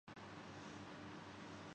Ecuador